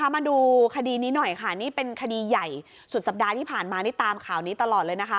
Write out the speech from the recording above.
มาดูคดีนี้หน่อยค่ะนี่เป็นคดีใหญ่สุดสัปดาห์ที่ผ่านมานี่ตามข่าวนี้ตลอดเลยนะคะ